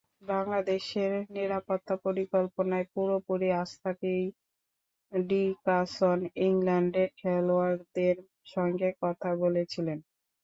বাংলাদেশের নিরাপত্তা পরিকল্পনায় পুরোপুরি আস্থা পেয়েই ডিকাসন ইংল্যান্ডের খেলোয়াড়দের সঙ্গে কথা বলেছিলেন।